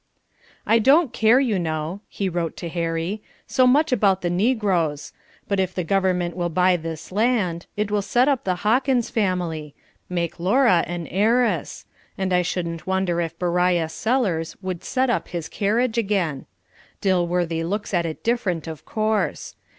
"I don't care, you know," he wrote to Harry, "so much about the niggroes. But if the government will buy this land, it will set up the Hawkins family make Laura an heiress and I shouldn't wonder if Beriah Sellers would set up his carriage again. Dilworthy looks at it different, of course.